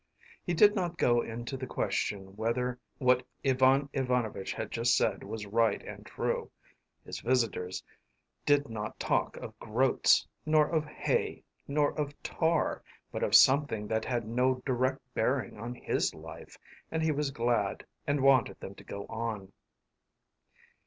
He did not go into the question whether what Ivan Ivanovitch had just said was right and true. His visitors did not talk of groats, nor of hay, nor of tar, but of something that had no direct bearing on his life, and he was glad and wanted them to go on.